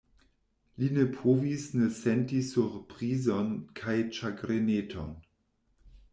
Li ne povis ne senti surprizon kaj ĉagreneton.